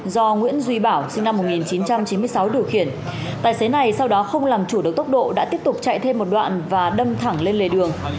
do nguyễn duy bảo sinh năm một nghìn chín trăm chín mươi sáu điều khiển tài xế này sau đó không làm chủ được tốc độ đã tiếp tục chạy thêm một đoạn và đâm thẳng lên lề đường